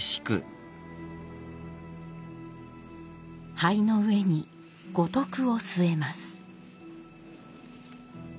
灰の上に五徳を据えます。